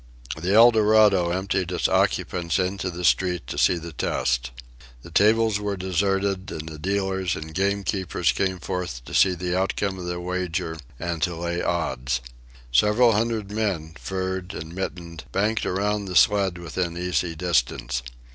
The Eldorado emptied its occupants into the street to see the test. The tables were deserted, and the dealers and gamekeepers came forth to see the outcome of the wager and to lay odds. Several hundred men, furred and mittened, banked around the sled within easy distance.